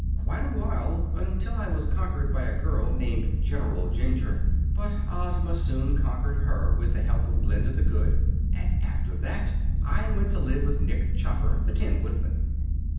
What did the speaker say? "Quite awhile, until I was conquered by a girl named General Jinjur. But Ozma soon conquered her, with the help of Glinda the Good, and after that I went to live with Nick Chopper, the Tin Woodman."